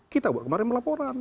kita buat kemarin melaporan